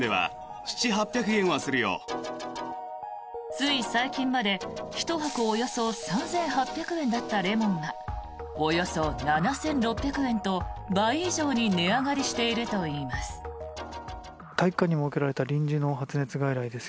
つい最近まで１箱およそ３８００円だったレモンがおよそ７６００円と、倍以上に値上がりしているといいます。